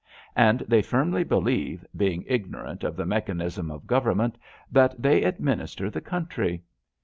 And they firmly believe, being ignorant of the mechanism of Government, that they administer the country.